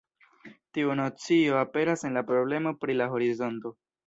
Tiu nocio aperas en la problemo pri la horizonto.